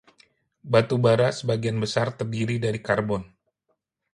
Batu bara sebagian besar terdiri dari karbon.